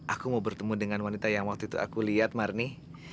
aku mau bertemu dengan wanita yang waktu itu aku lihat marni